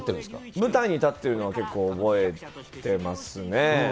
舞台に立ってるのは結構覚えてますね。